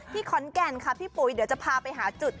ขอนแก่นค่ะพี่ปุ๋ยเดี๋ยวจะพาไปหาจุด